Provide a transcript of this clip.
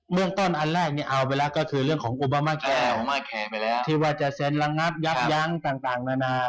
เมืองต้นอันแรกเนี่ยเอาไปแล้วก็คือเรื่องของโอบามาแก้วที่ว่าจะเซ็นระงับยับยั้งต่างนานา